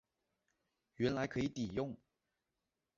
原来可以抵用